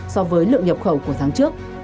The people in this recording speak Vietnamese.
so với lượng nhập khẩu của tháng trước